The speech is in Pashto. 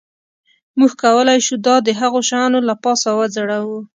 موږ کولی شو دا د هغو شیانو د پاسه وځړوو